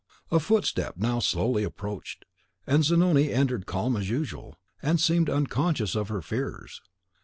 A footstep now slowly approached, and Zanoni entered calm as usual, and seemed unconscious of her fears.